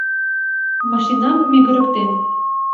...Машинам мӱгырыктен